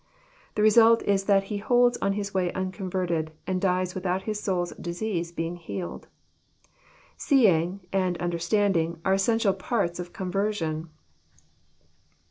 The result is that he holds on his way unconverted, and dies without his soul's disease being healed.— Seeing " and *' understanding" are essential parts of conversion.